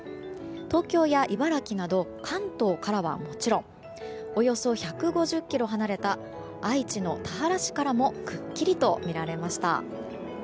東京や茨城など関東からはもちろんおよそ１５０ｋｍ離れた愛知の田原市からもくっきりと見られました。